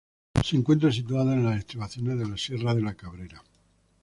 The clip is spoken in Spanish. Se encuentra situada en las estribaciones de la sierra de la Cabrera.